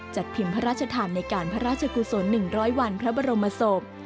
พิมพ์พระราชทานในการพระราชกุศล๑๐๐วันพระบรมศพ